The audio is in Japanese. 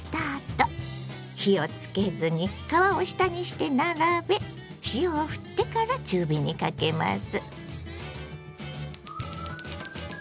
火をつけずに皮を下にして並べ塩をふってから中火にかけます。